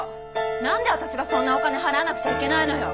なんで私がそんなお金払わなくちゃいけないのよ！